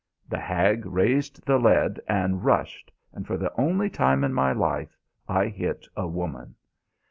The hag raised the lead and rushed, and for the only time in my life I hit a woman.